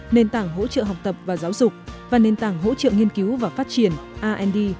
nền tảng hỗ trợ học tập và giáo dục và nền tảng hỗ trợ nghiên cứu và phát triển rd